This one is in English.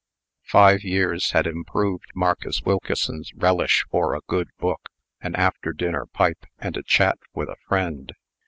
Five years had improved Marcus Wilkeson's relish for a good book, an after dinner pipe, and a chat with a friend.